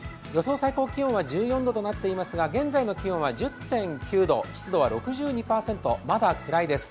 最高気温は１４度となっていますが現在の気温は１０．９度、湿度は６２％まだ暗いです。